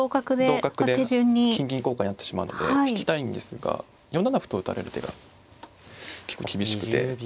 同角で金銀交換になってしまうので引きたいんですが４七歩と打たれる手が結構厳しくて。